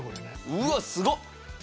うわっすごっ！